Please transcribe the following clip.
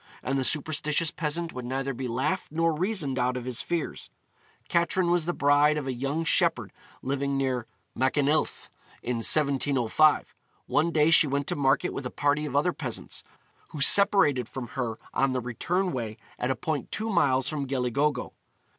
And the superstitious peasant would neither be laughed nor reasoned out of his fears. Catrin was the bride of a young shepherd living near Machynlleth in 1705. One day she went to market with a party of other peasants, who separated from her on the return way at a point two miles from Gelli Gogo.